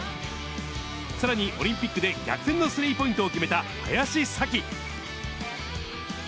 さらにオリンピックで逆転のスリーポイントを決めた林咲希。